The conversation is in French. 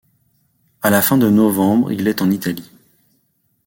À la fin de novembre il est en Italie.